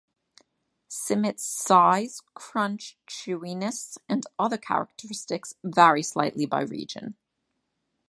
Simit's size, crunch, chewiness, and other characteristics vary slightly by region.